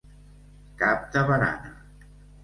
Cap de barana.